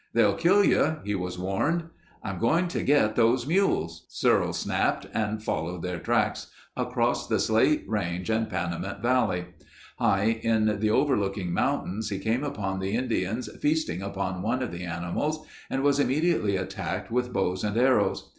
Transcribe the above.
"They'll kill you," he was warned. "I'm going to get those mules," Searles snapped and followed their tracks across the Slate Range and Panamint Valley. High in the overlooking mountains he came upon the Indians feasting upon one of the animals and was immediately attacked with bows and arrows.